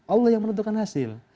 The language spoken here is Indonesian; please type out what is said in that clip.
allah yang menentukan hasil